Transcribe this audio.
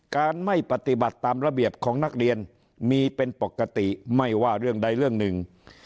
การไม่ปฏิบัติตามระเบียบของนักเรียนมีเป็นปกติไม่ว่าเรื่องใดเรื่องหนึ่ง